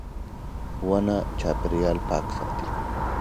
• ونه چاپېریال پاک ساتي.